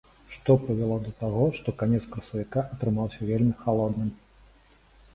Што прывяло да таго, што канец красавіка атрымаўся вельмі халодным?